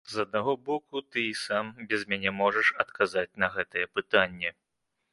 З аднаго боку, ты і сам, без мяне можаш адказаць на гэтае пытанне.